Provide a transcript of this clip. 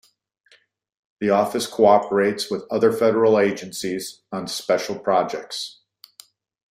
The office cooperates with other federal agencies on special projects.